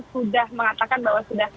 sudah mengatakan bahwa sudah